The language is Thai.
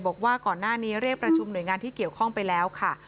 บอกว่าก่อนหน้านี้เรียกประชุมหน่วยงานที่เกี่ยวข้องไปแล้วค่ะ